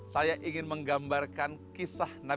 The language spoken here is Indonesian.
saya ingin menggambarkan kisahnya